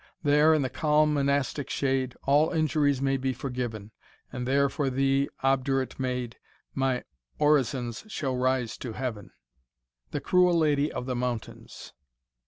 There, in the calm monastic shade, All injuries may be forgiven; And there for thee, obdurate maid, My orisons shall rise to heaven. THE CRUEL LADY OF THE MOUNTAINS.